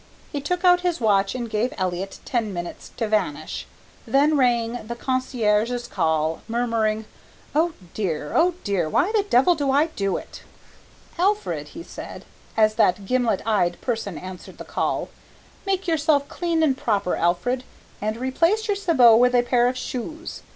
He took out his watch and gave Elliott ten minutes to vanish, then rang the concierge's call, murmuring, "Oh dear, oh dear, why the devil do I do it?" "Alfred," he said, as that gimlet eyed person answered the call, "make yourself clean and proper, Alfred, and replace your sabots with a pair of shoes.